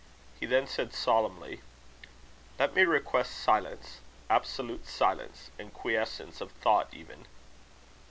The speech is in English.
He then said, solemnly: "Let me request silence, absolute silence, and quiescence of thought even."